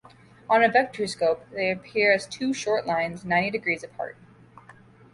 On a vectorscope, they appear as two short lines ninety degrees apart.